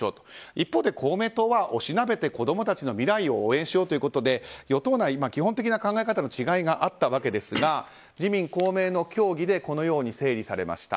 一方で公明党は、押しなべて子供たちの未来を応援しようということで与党内、基本的な考え方の違いがあったわけですが自民・公明の協議でこのように整理されました。